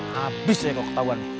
habis ya kau ketahuan nih